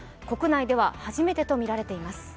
国内では初めてとみられています。